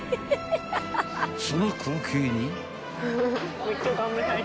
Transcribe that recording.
［その光景に］